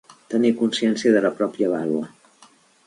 Tenir consciència de la pròpia vàlua.